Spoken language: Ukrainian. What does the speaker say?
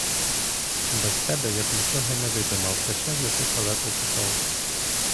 Без тебе я б нічого не видумав та ще в яку халепу попав.